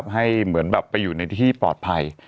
ให้เหมือนแบบไปอยู่ในที่ปลอดภัย